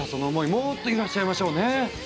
もっと揺らしちゃいましょうね！